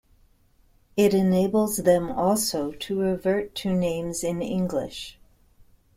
It enables them also to revert to names in English.